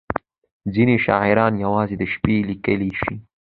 • ځینې شاعران یوازې د شپې لیکلی شي.